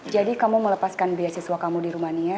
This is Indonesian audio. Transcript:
jadi kamu mau lepaskan biasiswa kamu di rumania